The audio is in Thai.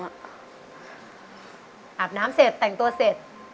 อาบน้ำเสร็จแต่งตัวเสร็จ